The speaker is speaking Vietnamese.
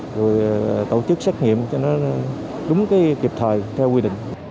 rồi tổ chức xét nghiệm cho nó đúng cái kịp thời theo quy định